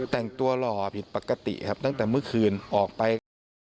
แต่งตัวหล่อผิดปกติครับตั้งแต่เมื่อคืนออกไปก็